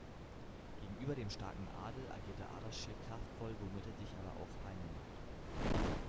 Gegenüber dem starken Adel agierte Ardaschir kraftvoll, womit er sich aber auch Feinde machte.